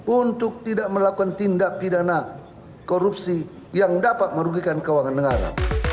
untuk tidak melakukan tindak pidana korupsi yang dapat merugikan keuangan negara